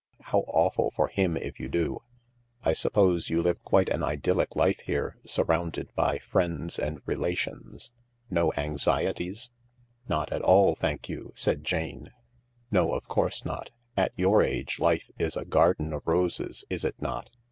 How awful for him if you do." " I suppose you live quite an idyllic life here — surrounded by friends and relations ... no anxieties ?"" Not at all, thank you," said Jane " No, of course not. At your age life is a garden of roses, is it not